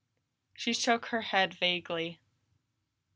She shook her head vaguely.